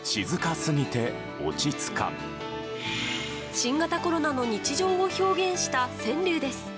新型コロナの日常を表現した川柳です。